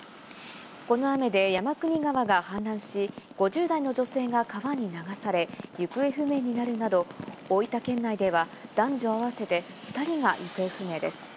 この雨で山国川が氾濫し、５０代の女性が川に流され、行方不明になるなど、大分県内では男女あわせて２人が行方不明です。